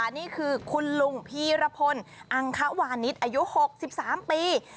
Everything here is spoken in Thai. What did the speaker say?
นี่คือคุณลุงพีรพลอังควานิสอายุ๖๓ปี